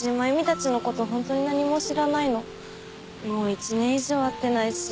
もう１年以上会ってないし。